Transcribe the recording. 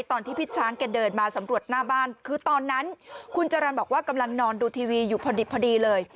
ตอนที่พี่ช้างแกเดินมาสำรวจหน้าบ้านคือตอนนั้นคุณจรรย์บอกว่ากำลังนอนดูทีวีอยู่พอดีเลย